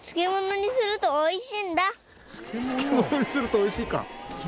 漬物にするとおいしいか。